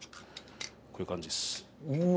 こういう感じです。